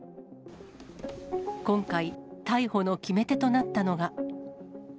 今回、逮捕の決め手となったのが。